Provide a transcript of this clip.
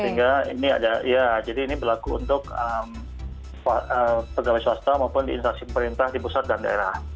sehingga ini ada ya jadi ini berlaku untuk pegawai swasta maupun di instansi pemerintah di pusat dan daerah